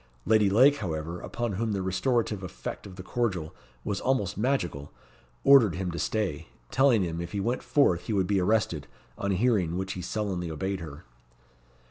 Lady Lake, however, upon whom the restorative effect of the cordial was almost magical, ordered him to stay, telling him if he went forth he would be arrested, on hearing which he sullenly obeyed her.